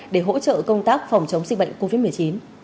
để hỗ trợ công tác phòng chống dịch bệnh covid một mươi chín